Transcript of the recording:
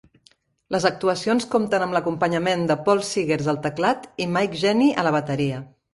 Les actuacions compten amb l'acompanyament de Paul Seegers al teclat i Mike Jenney a la bateria.